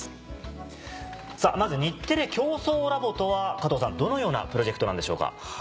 まず「日テレ共創ラボ」とは加藤さんどのようなプロジェクトなんでしょうか？